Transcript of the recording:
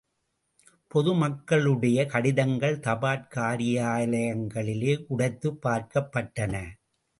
பொது மக்களுடைய கடிதங்கள் தபாற் காரியாலங்களிலே உடைத்துப் பார்க்கப்பட்டன.